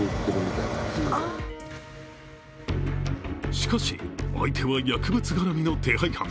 しかし、相手は薬物がらみの手配犯。